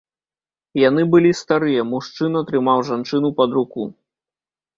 Яны былі старыя, мужчына трымаў жанчыну пад руку.